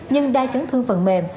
nhưng đa chấn thương phần mềm